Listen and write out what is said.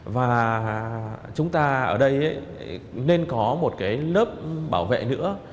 và chúng ta ở đây nên có một cái lớp bảo vệ nữa